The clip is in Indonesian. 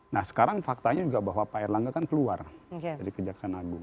nah sekarang faktanya juga bahwa pak erlangga kan keluar dari kejaksaan agung